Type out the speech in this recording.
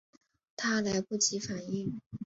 她来不及反应